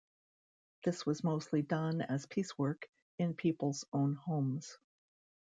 This was mostly done as piecework in people's own homes.